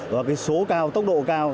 và số cao tốc độ cao